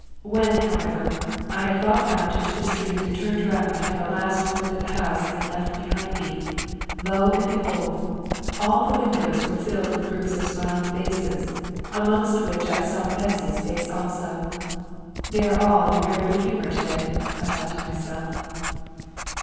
When, however, I had got out into the street and turned round to have a last look at the house I had left behind me, lo and behold! all the windows were filled with groups of smiling faces, amongst which I saw Bessy's face also. "They are all in a very good humour to day," I thought to myself.